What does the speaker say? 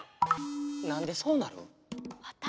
なんでそうなるん？